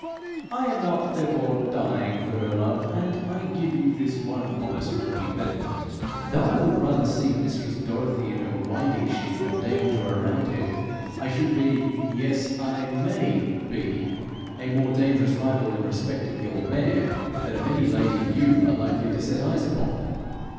'I am not, therefore, dying for her love; and I give you this one honest warning that, though I would rather see mistress Dorothy in her winding sheet than dame to a roundhead, I should be yes, I MAY be a more dangerous rival in respect of your mare, than of any lady YOU are likely to set eyes upon.'